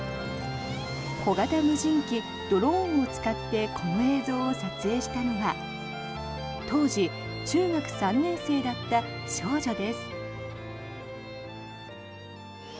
小型無人機ドローンを使ってこの映像を撮影したのは当時、中学３年生だった少女です。